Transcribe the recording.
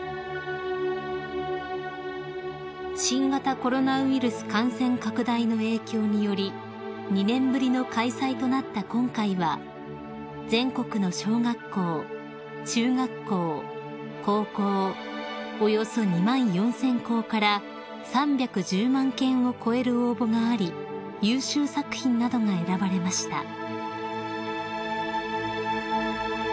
［新型コロナウイルス感染拡大の影響により２年ぶりの開催となった今回は全国の小学校・中学校・高校およそ２万４，０００校から３１０万件を超える応募があり優秀作品などが選ばれました］